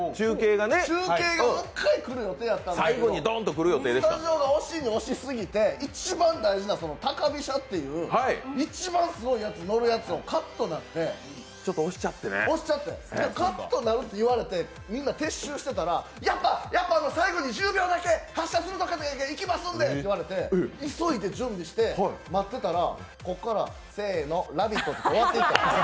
中継がもう一回来る予定やったんですけど、スタジオが押しに押しすぎて、一番大事な高飛車という一番すごいやつ、乗るやつがカットになって、押しちゃって、カットになるって言われてみんな撤収してたらやっぱ最後に１０秒だけ、発車のとこいきますんでって言うから急いで準備して待ってたらここからせーの「ラヴィット！」って終わっていったんですよ。